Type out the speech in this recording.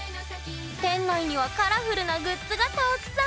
店内にはカラフルなグッズがたくさん！